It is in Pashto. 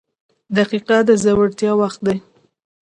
• دقیقه د زړورتیا وخت دی.